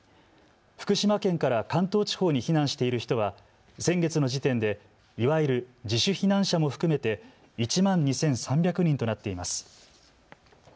福島県から関東地方に避難している人は先月の時点でいわゆる自主避難者も含めて１万２３００人となっています。